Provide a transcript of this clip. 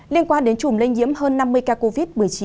liên quan đến chùm lây nhiễm hơn năm mươi ca covid một mươi chín